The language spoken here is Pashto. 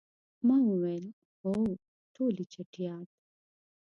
ما وویل، هو، ټولې چټیات.